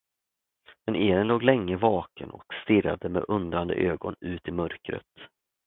Men Elin låg länge vaken och stirrade med undrande ögon ut i mörkret.